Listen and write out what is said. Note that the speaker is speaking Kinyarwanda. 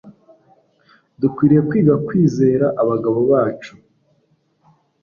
dukwiriye kwiga kwizera abagabo bacu